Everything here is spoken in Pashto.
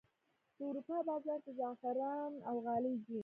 د اروپا بازار ته زعفران او غالۍ ځي